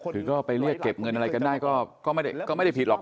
คือก็ไปเรียกเก็บเงินอะไรกันได้ก็ไม่ได้ผิดหรอก